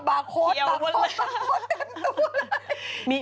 บาคทตกไป